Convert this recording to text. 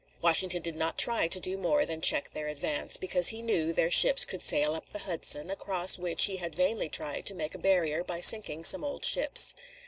Washington did not try to do more than check their advance, because he knew their ships could sail up the Hudson, across which he had vainly tried to make a barrier by sinking some old ships.